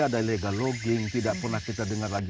ada illegal logging tidak pernah kita dengar lagi